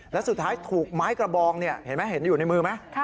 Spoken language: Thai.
แล้วสุดท้ายถูกไม้กระบองเห็นไหมเห็นอยู่ในมือไหม